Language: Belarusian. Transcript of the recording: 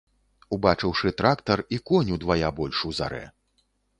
Убачыўшы трактар, і конь удвая больш узарэ.